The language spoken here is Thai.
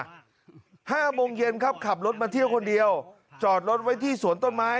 ห้าโมงเย็นครับขับรถมาเที่ยวคนเดียวจอดรถไว้ที่สวนต้นไม้